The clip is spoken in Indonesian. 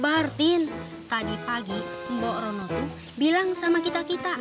berarti tadi pagi mbok morono itu bilang sama kita kita